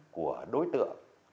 của đối tượng